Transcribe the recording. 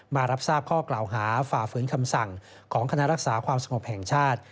มารับทราบข้อกล่าวหาฝ่าฝืนคำสั่งของคณะรักษาความสงบแห่งชาติ